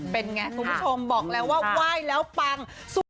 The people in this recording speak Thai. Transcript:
เป็นอย่างไรสุมชมบอกแล้วว่าไหว้แล้วปัง